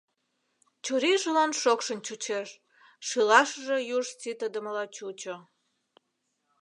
Чурийжылан шокшын чучеш, шӱлашыже юж ситыдымыла чучо.